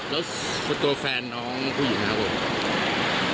แล้วตัวแฟนน้องผู้หญิงครับผม